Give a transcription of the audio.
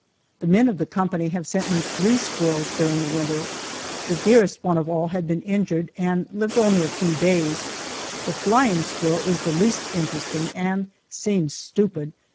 The men of the company have sent me three squirrels during the winter. The dearest one of all had been injured and lived only a few days. The flying squirrel is the least interesting and seems stupid.